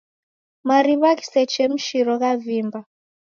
Mariw'a ghisechemshiro ghavimba.